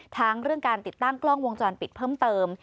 ทั้งเรื่องการติดตั้งกล้องวงจรปิดเพิ่มเติม